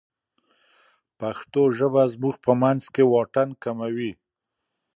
پښتو ژبه زموږ په منځ کې واټن کموي.